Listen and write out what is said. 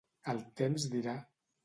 El temps dirà.